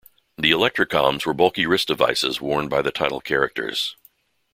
The ElectraComs were bulky wrist devices worn by the title characters.